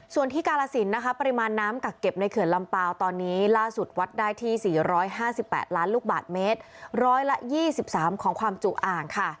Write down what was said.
ส่วนที่กาลสินนะคะปริมาณน้ำกักเก็บในเขื่อนลำเปล่าตอนนี้ล่าสุดวัดได้ที่๔๕๘ล้านลูกบาทเมตร๑๒๓ของความจุอ่างค่ะ